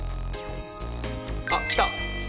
あっ来た。